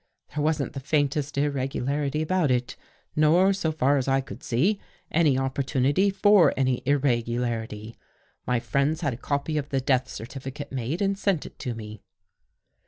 There wasn't the faintest irregu larity about it, nor, so far as I could see, any oppor tunity for any irregularity. My friends had a copy of the death certificate made and sent to me.